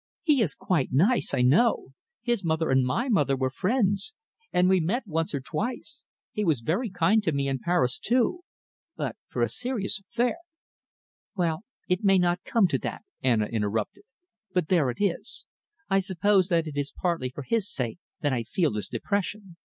He is quite nice, I know. His mother and my mother were friends, and we met once or twice. He was very kind to me in Paris, too. But for a serious affair " "Well, it may not come to that," Anna interrupted, "but there it is. I suppose that it is partly for his sake that I feel this depression."